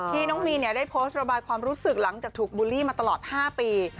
น้องวีได้โพสต์ระบายความรู้สึกหลังจากถูกบูลลี่มาตลอด๕ปี